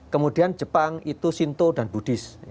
kemudian jepang itu sinto dan buddhis